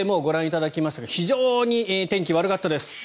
もうご覧いただきましたが非常に天気が悪かったです。